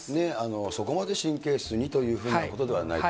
そこまで神経質にというふうなことではないと。